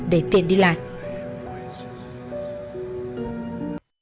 để tiện đi lại